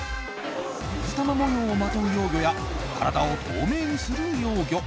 水玉模様をまとう幼魚や体を透明にする幼魚。